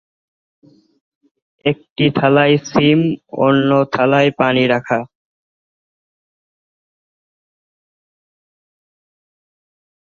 একটি থালায় শিম, অন্য থালায় পানি রাখা।